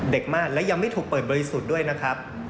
เด็กมากและยังไม่ถูกเปิดบริสุทธิ์ด้วยนะครับ